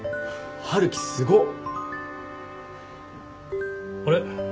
春樹すごっ！あれ？